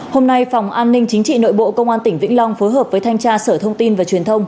hôm nay phòng an ninh chính trị nội bộ công an tỉnh vĩnh long phối hợp với thanh tra sở thông tin và truyền thông